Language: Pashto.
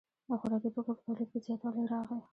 د خوراکي توکو په تولید کې زیاتوالی راغی.